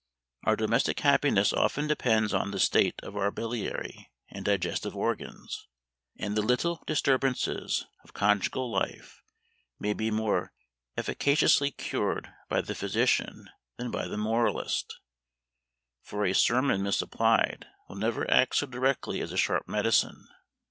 Our domestic happiness often depends on the state of our biliary and digestive organs, and the little disturbances of conjugal life may be more efficaciously cured by the physician than by the moralist; for a sermon misapplied will never act so directly as a sharp medicine.